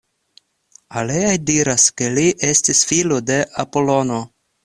Aliaj diras ke li estis filo de Apolono.